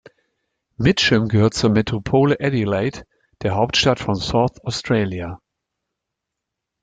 Mitcham gehört zur Metropole Adelaide, der Hauptstadt von South Australia.